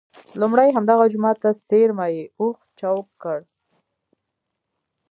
لومړی همدغه جوما ته څېرمه یې اوښ چوک کړ.